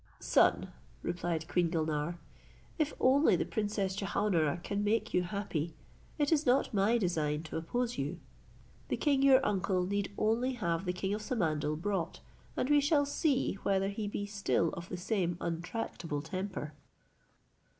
"Son," replied queen Gulnare, "if only the Princess Jehaun ara can make you happy, it is not my design to oppose you. The king your uncle need only have the king of Samandal brought, and we shall see whether he be still of the same untractable temper."